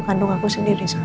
kandung aku sendiri soalnya